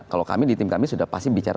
kalau kami di tim kami sudah pasti bicara